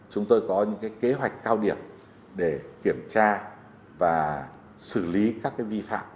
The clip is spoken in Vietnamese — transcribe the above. chúng tôi có những kế hoạch cao điểm để kiểm tra và xử lý các vi phạm